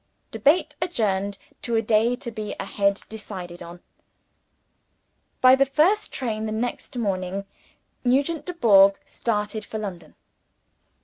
Debate adjourned to a day to be hereafter decided on. By the first train the next morning, Nugent Dubourg started for London.